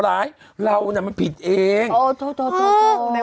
หนูรักเขาหนูไม่แจ้งความขาด